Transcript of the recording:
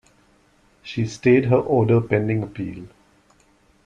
She stayed her order pending appeal.